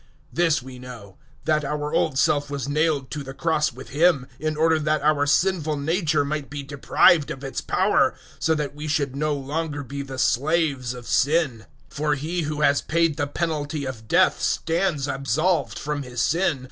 006:006 This we know that our old self was nailed to the cross with Him, in order that our sinful nature might be deprived of its power, so that we should no longer be the slaves of sin; 006:007 for he who has paid the penalty of death stands absolved from his sin.